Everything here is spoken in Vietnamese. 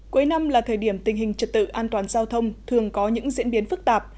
cuối năm là thời điểm tình hình trật tự an toàn giao thông thường có những diễn biến phức tạp